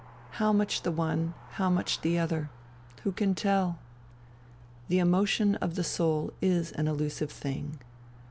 How much the one, how much the other, who can tell ? The emotion of the soul is an elusive thing.